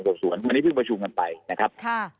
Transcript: วันนี้เพิ่งประชุมกันไปนะครับ